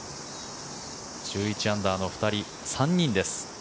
１１アンダーの２人３人です。